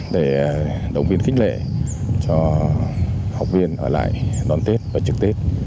để đồng viên kích lệ cho học viên ở lại đón tết và trực tết